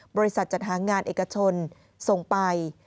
บริษัทจัดหางานเอกชนส่งไป